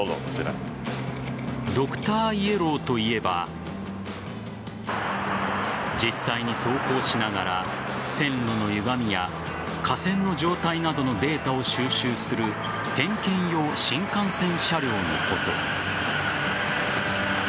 ドクターイエローといえば実際の走行しながら線路のゆがみや架線の状態などのデータを収集する点検用新幹線車両のこと。